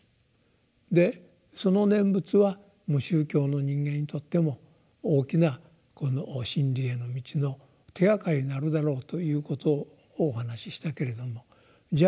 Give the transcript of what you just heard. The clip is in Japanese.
でその「念仏」は無宗教の人間にとっても大きな真理への道の手がかりになるだろうということをお話ししたけれどもじゃ